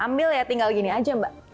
ambil ya tinggal begini saja mbak